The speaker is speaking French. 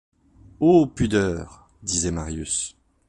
Ô pudeur! disait Marius.